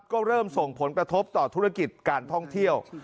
ก็เริ่มส่งผลกระทบต่อธุรกิจการท่องเที่ยว